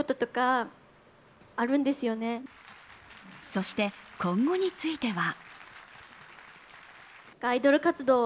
そして今後については。